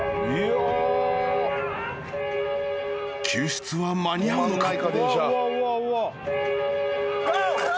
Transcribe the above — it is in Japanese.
［救出は間に合うのか？］